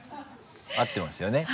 合ってますよね？